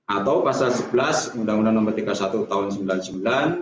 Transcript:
atau pasal sebelas undang undang nomor tiga puluh satu tahun seribu sembilan ratus sembilan puluh sembilan